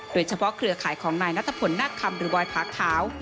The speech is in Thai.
โดยเฉพาะเครือขายของนายนัตรผลหน้าคำหรือบอยพาขาว